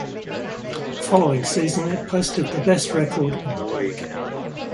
The following season it posted the best record in the league.